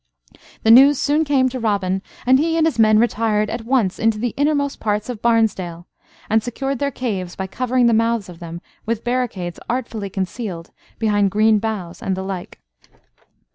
The news soon came to Robin, and he and his men retired at once into the innermost parts of Barnesdale, and secured their caves by covering the mouths of them with barricades artfully concealed behind green boughs and the like.